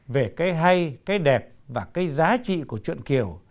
về cái hay cái đẹp và cái giá trị của chuyện kiều